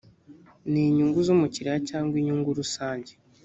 ni inyungu z’umukiriya cyangwa inyungu rusange ‽